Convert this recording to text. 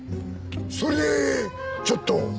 それでちょっと。